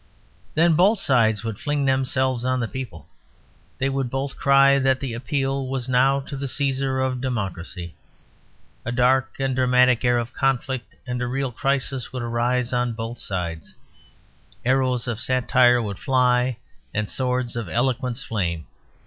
Then both sides would fling themselves on the people, they would both cry that the appeal was now to the Caesar of Democracy. A dark and dramatic air of conflict and real crisis would arise on both sides; arrows of satire would fly and swords of eloquence flame.